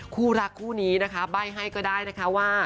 คู่รักคู่นี้นะคะใบ้ให้ก็ได้นะคะว่า